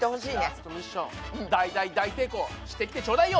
ラストミッション大大大成功してきてちょうだいよ！